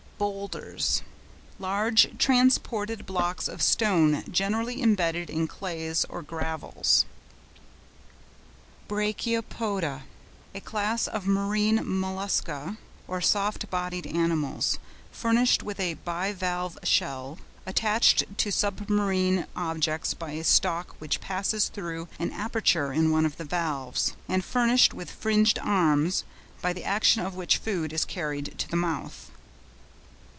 BOULDERS.—Large transported blocks of stone generally embedded in clays or gravels. BRACHIOPODA.—A class of marine Mollusca, or soft bodied animals, furnished with a bivalve shell, attached to submarine objects by a stalk which passes through an aperture in one of the valves, and furnished with fringed arms, by the action of which food is carried to the mouth.